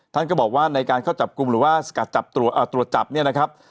ท่านก็บอกว่าในการเข้าจับกลุ่มหรือว่าสกัดจับตรวจจับเนี่ยนะครับ